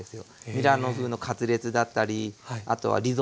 ミラノ風のカツレツだったりあとはリゾット。